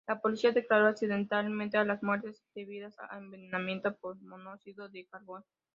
La policía declaró accidentales a las muertes, debidas a envenenamiento por monóxido de carbón.